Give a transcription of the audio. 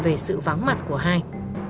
về sự vắng mặt của hai